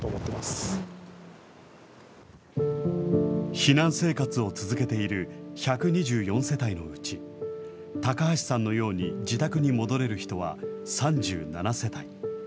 避難生活を続けている１２４世帯のうち、高橋さんのように自宅に戻れる人は３７世帯。